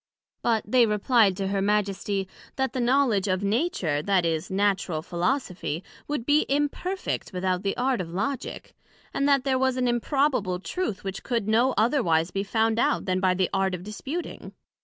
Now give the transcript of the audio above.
But they replied to her Majesty, That the knowledg of Nature, that is, Natural Philosophy, would be imperfect without the Art of Logick; and that there was an improbable Truth which could no otherwise be found out then by the Art of disputing.